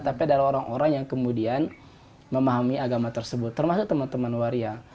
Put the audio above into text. tapi adalah orang orang yang kemudian memahami agama tersebut termasuk teman teman waria